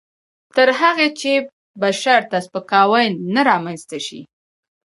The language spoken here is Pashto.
تر هغه چې بشر ته سپکاوی نه رامنځته شي.